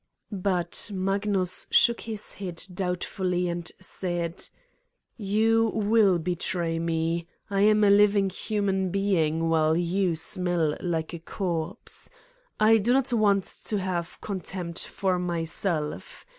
'' But Magnus shook his head doubtfully and said : "You will betray me. I am a living human being, while you smell like a corpse. I do not want to have contempt for myself.